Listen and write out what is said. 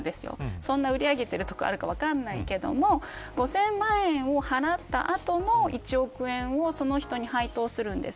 そんなに売り上げている所があるか分からないけど５０００万円を払った後の１億円をその人に配当するんです。